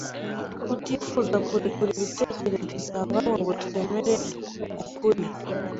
Kutifuza kurekura ibitekerezo dusanganywe ngo twemere uku kuri,